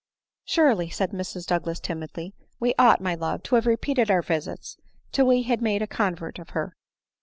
" Surdy," said Mrs Douglas timidly, "we ought, my love, to have repeated our visits till we had made a convert of her."